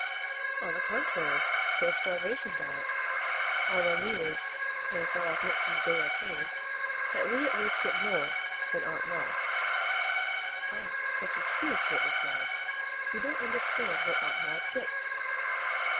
"On the contrary they're starvation diet. All I mean is and it's all I've meant from the day I came that we at least get more than Aunt Maud." "Ah but you see," Kate replied, "you don't understand what Aunt Maud gets."